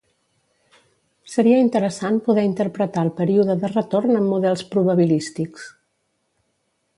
Seria interessant poder interpretar el període de retorn en models probabilístics.